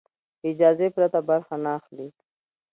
اجازې پرته برخه نه اخلي.